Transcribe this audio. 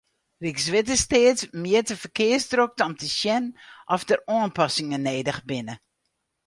Rykswettersteat mjit de ferkearsdrokte om te sjen oft der oanpassingen nedich binne.